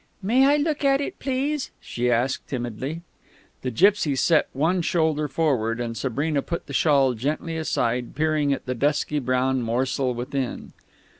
"May I look at it, please?" she asked timidly. The gipsy set one shoulder forward, and Sabrina put the shawl gently aside, peering at the dusky brown morsel within.